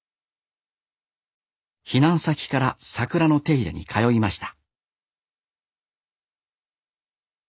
避難先から桜の手入れに通いました